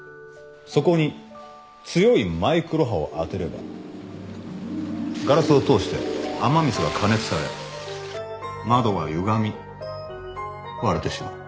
そこに強いマイクロ波を当てればガラスを通して雨水が加熱され窓はゆがみ割れてしまう。